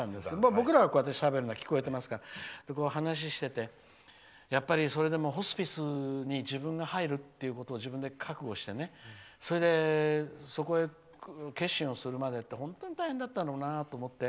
僕らがしゃべるのは聞こえてますから話してて、やっぱりそれでもホスピスに入ることを自分で覚悟してねその決心をするまでって本当に大変だったろうなと思って。